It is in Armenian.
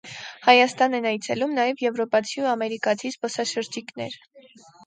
Հայաստան են այցելում նաև եվրոպացի ու ամերիկացի զբոսաշրջիկներ։